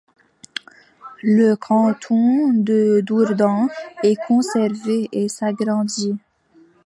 Le canton de Dourdan est conservé et s'agrandit.